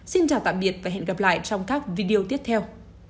xin chào tạm biệt và hẹn gặp lại trong các video tiếp theo